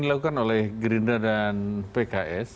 dilakukan oleh gerindra dan pks